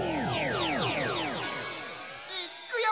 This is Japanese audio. いっくよ！